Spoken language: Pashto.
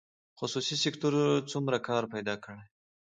خصوصي سکتور څومره کار پیدا کړی؟